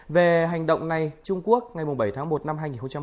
về hành động này trung quốc ngày bảy tháng một năm hai nghìn một mươi sáu